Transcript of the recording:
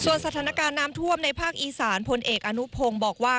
ส่วนสถานการณ์น้ำถ้วมในภาคอีสานพลเอกอะนุภงบอกว่า